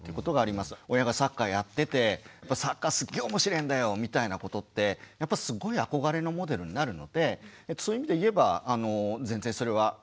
親がサッカーやっててサッカーすっげおもしれえんだよみたいなことってやっぱすごい憧れのモデルになるのでそういう意味で言えば全然それはよいと思います。